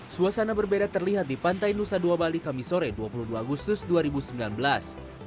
suasana berbeda terlihat di pantai nusa dua bali kamisore dua puluh dua agustus dua ribu sembilan belas